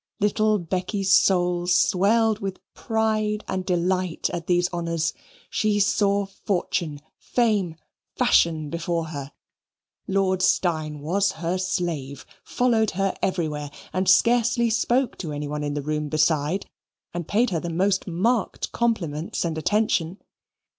Little Becky's soul swelled with pride and delight at these honours; she saw fortune, fame, fashion before her. Lord Steyne was her slave, followed her everywhere, and scarcely spoke to any one in the room beside, and paid her the most marked compliments and attention.